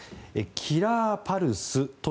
キラーパルスとは